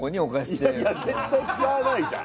いよいよ絶対に使わないじゃん。